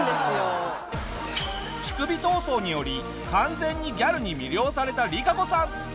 チクビ闘争により完全にギャルに魅了されたリカコさん。